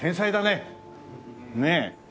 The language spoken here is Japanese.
ねえ。